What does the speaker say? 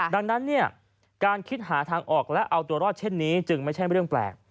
ดังนั้นการคิดหาทางออกและเอาตัวรอดเช่นนี้จึงไม่ใช่เรื่องแปลก